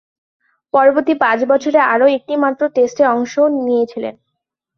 পরবর্তী পাঁচ বছরে আর একটিমাত্র টেস্টে অংশ নিয়েছিলেন।